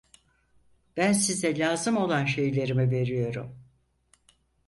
Ben size lazım olan şeylerimi veriyorum.